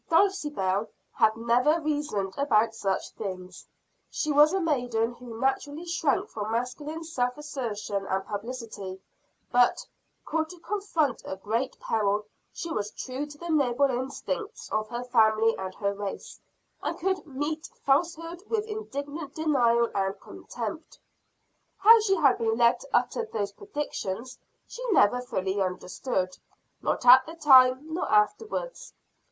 Dulcibel had never reasoned about such things; she was a maiden who naturally shrank from masculine self assertion and publicity; but, called to confront a great peril, she was true to the noble instincts of her family and her race, and could meet falsehood with indignant denial and contempt. How she had been led to utter those predictions she never fully understood not at the time nor afterwards.